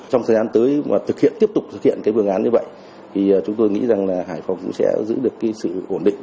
trong thời gian tới mà tiếp tục thực hiện vườn án như vậy thì chúng tôi nghĩ hải phòng sẽ giữ được sự ổn định